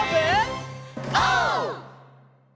オー！